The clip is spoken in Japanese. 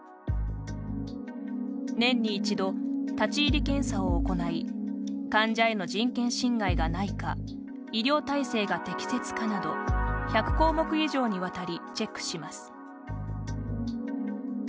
年に一度、立ち入り検査を行い患者への人権侵害がないか医療体制が適切かなど１００項目以上にわたりチェックします。